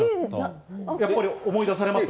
やっぱり思い出されますか？